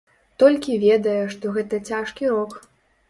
Толькі ведае, што гэта цяжкі рок.